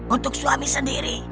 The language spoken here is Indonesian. untuk suami sendiri